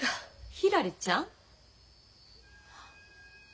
ひらりちゃん？